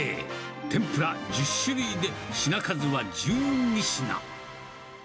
天ぷら１０種類で品数は１２品。